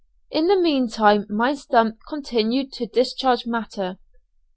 In the meantime my stump continued to discharge matter.